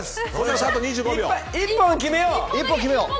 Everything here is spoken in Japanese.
１本決めよう！